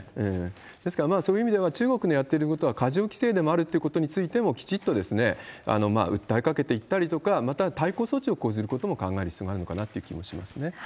ですから、そういう意味では中国のやっていることは過剰規制でもあるということについて、きちっと訴えかけていったりとか、また、対抗措置を講ずることも考える必要があるのかなという気がしますね。